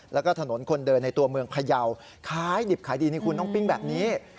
แล้วก็ถนนคนเดินในตัวเมืองพยาวขายดิบขายดีนี่คุณต้องปิ้งแบบนี้